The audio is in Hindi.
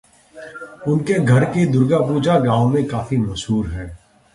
उनके घर की दुर्गापूजा गांव में काफी मशहूर है।